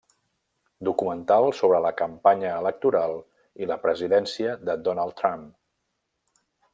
Documental sobre la campanya electoral i la presidència de Donald Trump.